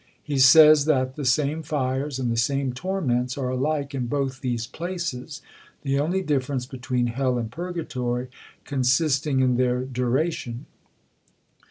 He says that the same fires and the same torments are alike in both these places, the only difference between Hell and Purgatory consisting in their duration.